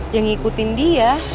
yang ngikutin dia